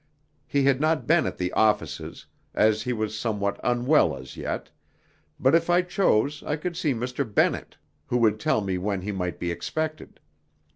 He had not been at the offices, as he was somewhat unwell as yet, but if I chose I could see Mr. Bennett, who would tell me when he might be expected.